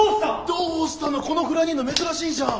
どうしたのこのフロアにいんの珍しいじゃん。